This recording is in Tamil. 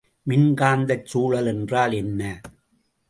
மின்காந்தச் சூழல் என்றால் என்ன?